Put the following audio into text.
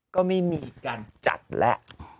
ก็ไม่มีการจัดแล้ว